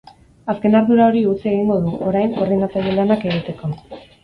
Azken ardura hori utzi egingo du, orain, koordinatzaile lanak egiteko.